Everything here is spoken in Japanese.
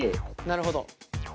なるほど。